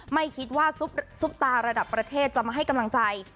ไม่คิดว่าซุปตาระดับประเทศจะมาให้กำลังใจ